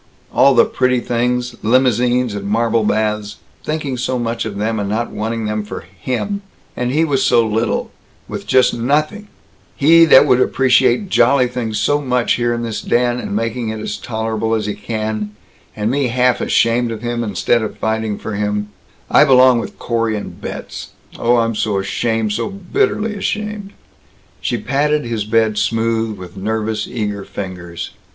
All the pretty things limousines and marble baths thinking so much of them, and not wanting them for him! And he with so little, with just nothing he that would appreciate jolly things so much here in this den, and making it as tolerable as he can and me half ashamed of him instead of fighting for him I belong with Corey and Betz. Oh, I'm so ashamed, so bitterly ashamed." She patted his bed smooth with nervous eager fingers.